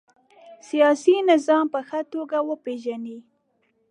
سیاسي نظام په ښه توګه وپيژنئ.